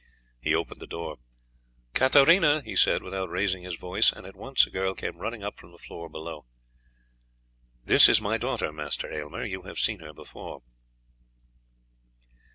He opened the door. "Katarina!" he said without raising his voice, and at once a girl came running up from the floor below. "This is my daughter, Master Aylmer; you have seen her before."